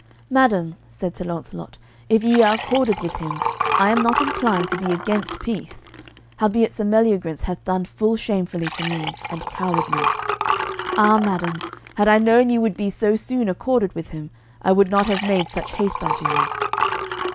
"Madam," said Sir Launcelot, "if ye are accorded with him, I am not inclined to be against peace, howbeit Sir Meliagrance hath done full shamefully to me, and cowardly. Ah, madam, had I known ye would be so soon accorded with him, I would not have made such haste unto you."